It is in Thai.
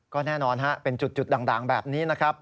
ก็แน่นอนเป็นจุดดังแบบนี้นะครับ